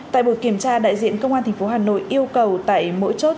tại buổi kiểm tra đại diện công an thành phố hà nội yêu cầu tại mỗi chốt